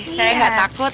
saya gak takut